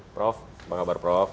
prof apa kabar prof